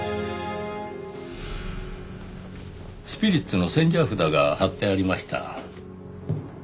スピリッツの千社札が貼ってありました。